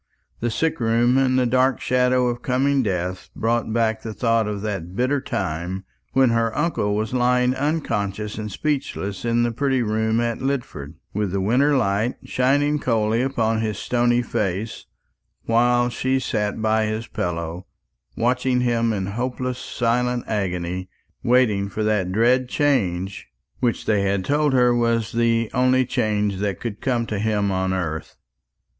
The sick room and the dark shadow of coming death brought back the thought of that bitter time when her uncle was lying unconscious and speechless in the pretty room at Lidford, with the wintry light shining coldly upon his stony face; while she sat by his pillow, watching him in hopeless silent agony, waiting for that dread change which they had told her was the only change that could come to him on earth.